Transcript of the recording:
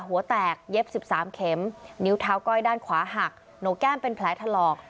หัวแตกเย็บ๑๓เข็มนิ้วเท้าก้อยด้านขวาหักโหนกแก้มเป็นแผลถลอก